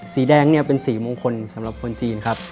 สีแดงเนี่ยเป็นสีมงคลสำหรับคนจีนครับ